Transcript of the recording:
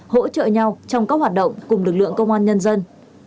hỗ trợ nhau trong các hoạt động cùng lực lượng công an nhân dân